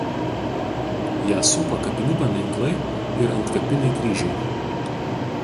Ją supa kapinių paminklai ir antkapiniai kryžiai.